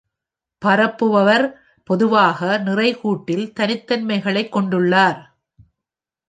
பரப்புபவர் பொதுவாக நிறை கூட்டில் தனித்தன்மைகளை கொண்டுள்ளார்.